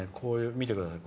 見てください